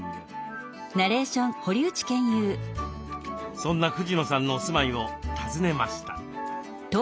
そんな藤野さんのお住まいを訪ねました。